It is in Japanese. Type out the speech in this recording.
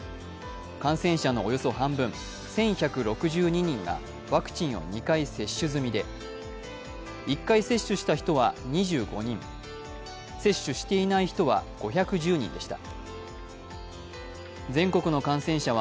感染者のおよそ半分１１６２人がワクチンを２回接種済みで１回接種した人は２５人接種していない人は、５１０人でした。